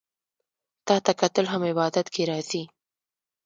تاته کتل هم عبادت کی راځي